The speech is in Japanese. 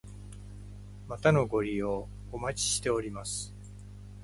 またのご利用お待ちしております。